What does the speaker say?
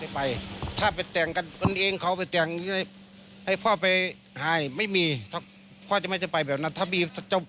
ไปถ้าไปแต่งกันคนเองเขาไปแต่งให้พ่อไปหายไม่มีพ่อจะไม่จะไปแบบนั้นถ้ามี